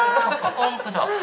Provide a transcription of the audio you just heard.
音符だ。